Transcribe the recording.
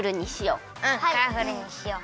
うんカラフルにしよう。